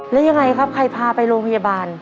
แล้วยังไงครับใครพาไปโรงพยาบาล